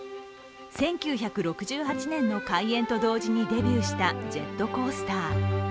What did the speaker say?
１９６８年の開園と同時にデビューしたジェットコースター。